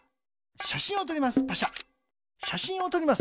しゃしんをとります。